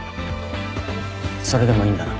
それでもいいんだな。